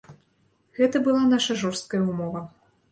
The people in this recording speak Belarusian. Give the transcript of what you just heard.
Гэта была наша жорсткая ўмова.